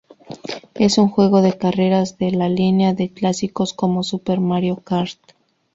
Es un juego de carreras en la línea de clásicos como "Super Mario Kart".